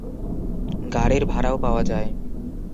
গাড়ির ভাড়াও পাওয়া যায়।